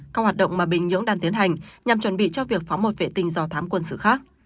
các hoạt động mà bình nhưỡng đang tiến hành nhằm chuẩn bị cho việc phóng một vệ tinh do thám quân sự khác